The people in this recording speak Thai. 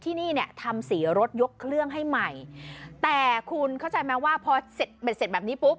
ที่นี่เนี่ยทำสีรถยกเครื่องให้ใหม่แต่คุณเข้าใจไหมว่าพอเสร็จเบ็ดเสร็จแบบนี้ปุ๊บ